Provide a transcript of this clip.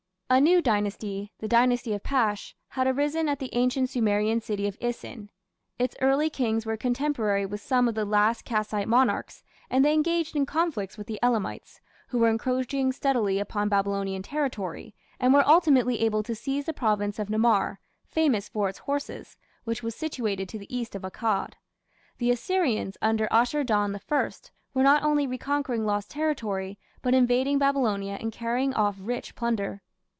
A new dynasty the Dynasty of Pashe had arisen at the ancient Sumerian city of Isin. Its early kings were contemporary with some of the last Kassite monarchs, and they engaged in conflicts with the Elamites, who were encroaching steadily upon Babylonian territory, and were ultimately able to seize the province of Namar, famous for its horses, which was situated to the east of Akkad. The Assyrians, under Ashur dan I, were not only reconquering lost territory, but invading Babylonia and carrying off rich plunder.